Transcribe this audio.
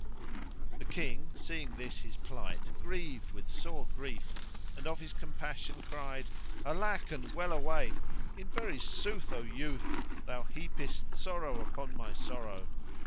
The King, seeing this his plight, grieved with sore grief and of his compassion cried, "Alack and well away! in very sooth, O youth, thou heapest sorrow upon my sorrow.